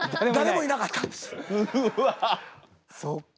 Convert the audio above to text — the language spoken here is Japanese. そっか。